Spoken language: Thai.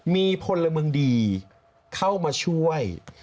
มีผลมึงดีเข้ามาช่วย